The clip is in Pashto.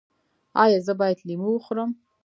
ایا زه باید لیمو وخورم؟